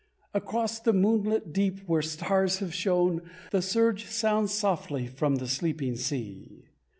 Across the moon lit deep, where stars have shone, The surge sounds softly from the sleeping sea.